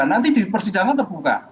nanti di persidangan terbuka